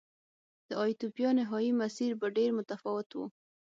د ایتوپیا نهايي مسیر به ډېر متفاوت و.